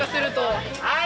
はい！